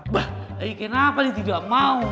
bang kenapa dia tidak mau